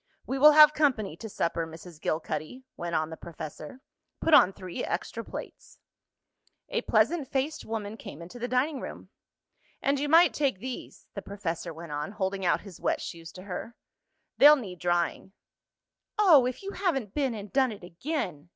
"We will have company to supper, Mrs. Gilcuddy," went on the professor. "Put on three extra plates." A pleasant faced woman came into the dining room. "And you might take these," the professor went on, holding out his wet shoes to her. "They'll need drying." "Oh, if you haven't been and done it again!"